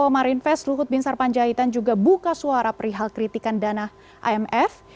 kemarin ves luhut binsar panjaitan juga buka suara perihal kritikan dana imf